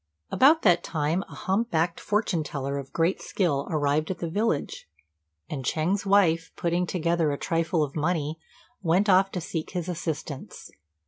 About that time a hump backed fortune teller of great skill arrived at the village, and Ch'êng's wife, putting together a trifle of money, went off to seek his assistance.